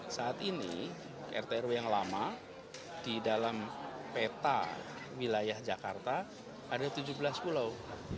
saat ini rt rw yang lama di dalam peta wilayah jakarta ada tujuh belas pulau